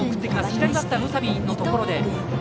左バッターの宇佐美のところで。